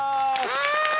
はい！